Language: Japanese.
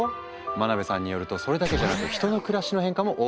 真辺さんによるとそれだけじゃなく人の暮らしの変化も大きいんだって。